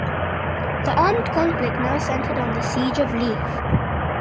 The armed conflict now centered on the Siege of Leith.